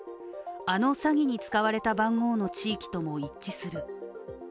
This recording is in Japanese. あの詐欺に使われた番号の地域とも一致する。